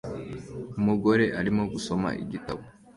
Umugore arimo gusoma igitabo